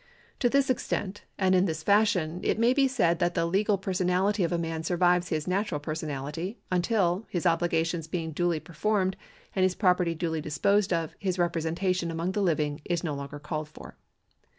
To this extent, and in this fashion, it may be said that the legal personality of a man survives his natural personality, until, his obligations being duly per formed, and his property duly disposed of, his representation among the living is no longer called for.